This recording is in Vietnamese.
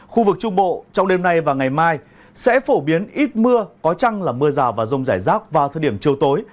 khu vực trung bộ trong đêm nay và ngày mai sẽ phổ biến ít mưa có chăng là mưa rào và rông rải rác vào thời điểm chiều tối